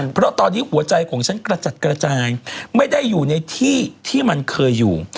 เพราะตอนนี้หัวใจของฉันกระจัดกระจายไม่ได้อยู่ในที่ที่มันเคยอยู่